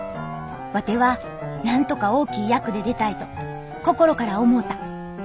ワテはなんとか大きい役で出たいと心から思うた！